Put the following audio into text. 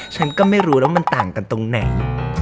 ฉันก็ไม่รู้แล้วมันต่างกันตรงไหน